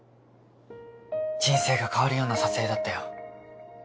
人生が変わるような撮影だったよ。